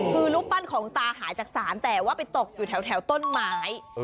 คือรูปปั้นของตาหายจากศาลแต่ว่าไปตกอยู่แถวต้นไม้